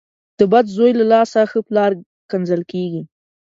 د بد زوی له لاسه ښه پلار کنځل کېږي.